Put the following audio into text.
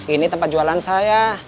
ini tempat jualan saya